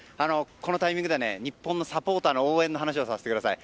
このタイミングでは日本のサポーターの応援の話をさせてください。